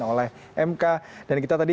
oleh mk dan kita tadi